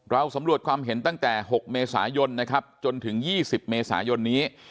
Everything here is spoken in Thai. สำรวจความเห็นตั้งแต่๖เมษายนนะครับจนถึง๒๐เมษายนนี้